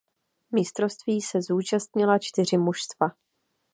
Mistrovství se zúčastnila čtyři mužstva.